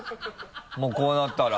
もうこうなったら。